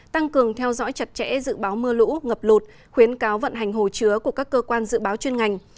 tăng cường theo dõi chặt chẽ dự báo mưa lũ ngập lụt khuyến cáo vận hành hồ chứa của các cơ quan dự báo chuyên ngành